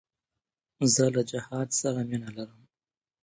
زه له جهاد سره مینه لرم.